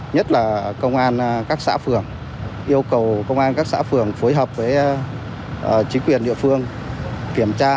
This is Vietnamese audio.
nhất là công an các xã phường yêu cầu công an các xã phường phối hợp với chính quyền địa phương kiểm tra